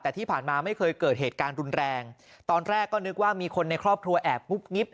แต่ที่ผ่านมาไม่เคยเกิดเหตุการณ์รุนแรงตอนแรกก็นึกว่ามีคนในครอบครัวแอบงุบงิบ